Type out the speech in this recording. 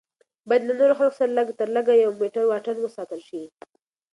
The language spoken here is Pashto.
باید له نورو خلکو سره لږ تر لږه یو میټر واټن وساتل شي.